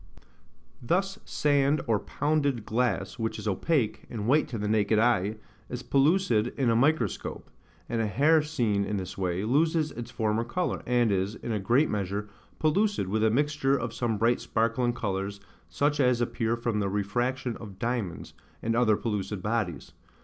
Thus, sand or pounded glass, which is opaque, and white to the naked eye, is pellucid in a microscope; and a hair seen in this way, loses its former colour, and is, in a great measure, pellucid, with a mixture of some bright sparkling colours, such as appear from the refraction of diamonds, and other pellucid bodies.